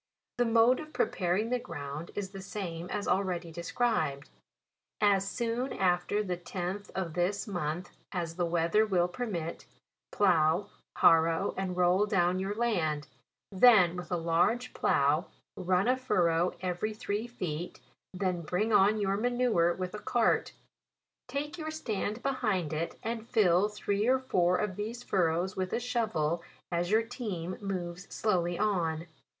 The mode of preparing the ground is the same as already described. As soon after the tenth of this month as the weather will permit, plough, harrow and roll down your land ; then with a large plough run a furrow every three feet ; then bring on your manure with a cart; take your stand behind it, and fill three or four of these fur rows with a shovel, as your team moves slow ly on.